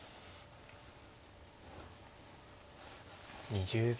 ２０秒。